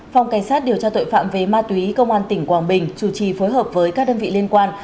phòng cảnh sát điều tra tội phạm về ma túy công an tỉnh quảng bình chủ trì phối hợp với các đơn vị liên quan